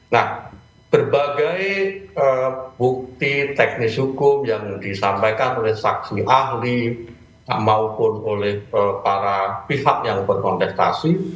nah berbagai bukti teknis hukum yang disampaikan oleh saksi ahli maupun oleh para pihak yang berkontestasi